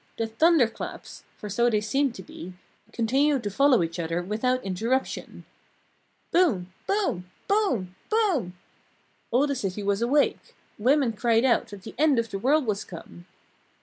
The thunderclaps for so they seemed to be continued to follow each other without interruption. "Boom! Boom! Boom! Boom!" All the city was awake. Women cried out that the end of the world was come.